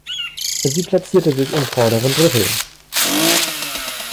Sie platzierte sich im vorderen Drittel.